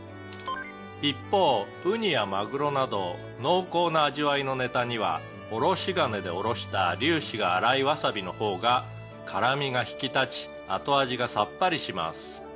「一方ウニやマグロなど濃厚な味わいのネタにはおろし金でおろした粒子が粗いわさびの方が辛味が引き立ち後味がさっぱりします」